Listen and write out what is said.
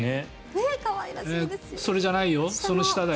可愛らしいですよね。